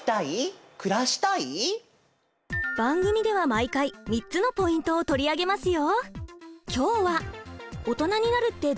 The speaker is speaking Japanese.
番組では毎回３つのポイントを取り上げますよ。